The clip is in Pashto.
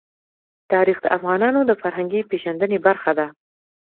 تاریخ د افغانانو د فرهنګي پیژندنې برخه ده.